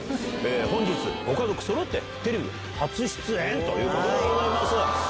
本日、ご家族そろってテレビ初出演ということでございます。